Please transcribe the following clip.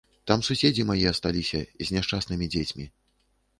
Там суседзі мае асталіся з няшчаснымі дзецьмі.